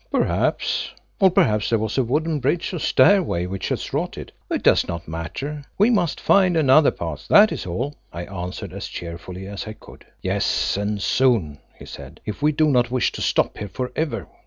"Perhaps, or perhaps there was a wooden bridge or stairway which has rotted. It does not matter. We must find another path, that is all," I answered as cheerfully as I could. "Yes, and soon," he said, "if we do not wish to stop here for ever."